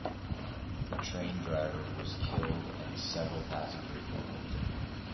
The train driver was killed and several passengers were wounded.